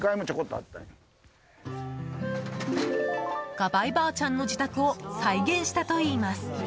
がばいばあちゃんの自宅を再現したといいます。